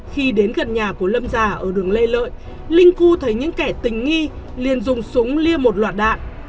khi đến gần nhà của lâm già ở đường lê lợi linh cu thấy những kẻ tình nghi liền dùng súng liên một loạt đạn